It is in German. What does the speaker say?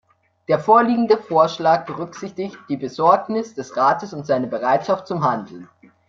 Der vorliegende Vorschlag berücksichtigt die Besorgnis des Rates und seine Bereitschaft zum Handeln.